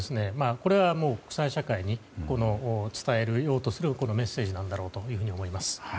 これは国際社会に伝えようとするメッセージなんだろうと思います。